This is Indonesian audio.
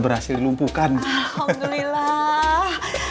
di lumpuhkan alhamdulillah